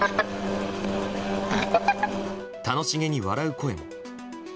楽しげに笑う声も。